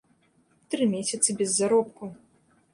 Тры месяцы без заробку.